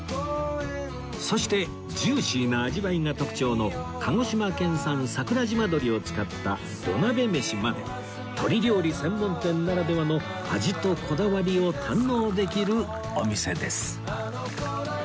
そしてジューシーな味わいが特徴の鹿児島県産桜島どりを使った土鍋めしまで鶏料理専門店ならではの味とこだわりを堪能できるお店です